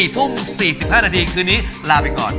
๔ทุ่ม๔๕นาทีคืนนี้ลาไปก่อน